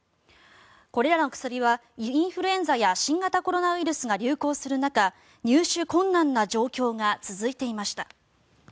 これらの薬はインフルエンザや新型コロナウイルスが流行する中入手困難な状況が続いていました。